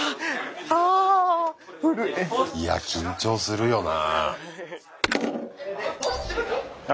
いや緊張するよな。